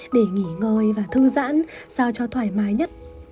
để nghỉ ngơi và thư giãn sao cho thoải mái nhất